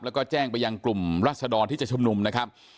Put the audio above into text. แล้วก็แจ้งไปยังกลุ่มรัศดรที่จะชุมนุมนะครับ